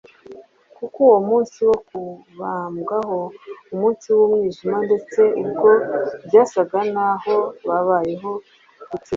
kuri uwo munsi wo kubambwaho, umunsi w’umwijima ndetse ubwo byasaga naho habayeho gutsinda